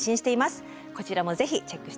こちらもぜひチェックして下さい。